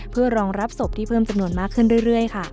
เพื่อรองรับศพที่เพิ่มจำนวนมากขึ้นเรื่อยค่ะ